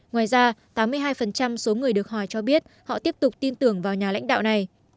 ngoài ra tám mươi hai số người được hỏi cho biết họ tiếp tục tin tưởng vào nhà lãnh đạo này